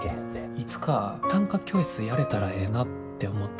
いつか短歌教室やれたらええなって思った。